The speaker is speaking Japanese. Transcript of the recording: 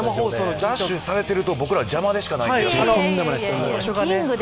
ダッシュされてると、僕らは邪魔でしかない。